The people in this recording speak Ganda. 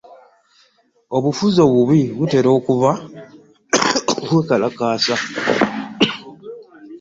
Obufuzi obubi buleetera abantu okwekalakaasa.